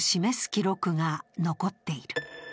記録が残っている。